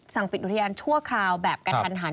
สั่งปิดนุธิญาณชั่วคราวแบบกระทันหัน